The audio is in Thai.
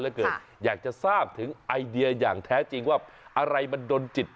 เหลือเกินอยากจะทราบถึงไอเดียอย่างแท้จริงว่าอะไรมันดนจิต